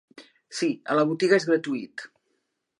Sí, a la botiga és gratuït.